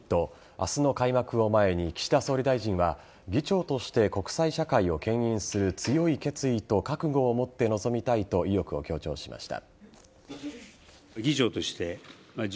明日の開幕を前に岸田総理大臣は議長として国際社会をけん引する強い決意と覚悟を持って臨みたいと意欲を強調しました。